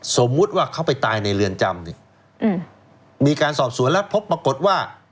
สมมุติว่าเขาไปตายในเรือนจำเนี่ยมีการสอบสวนแล้วพบปรากฏว่า